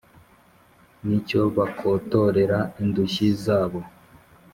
n' icyo bakotorera indushyi zabo.